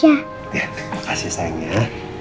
ya makasih sayang ya